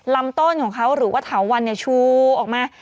ลำต้นของเขาหรือว่าเถาวันชูออกมา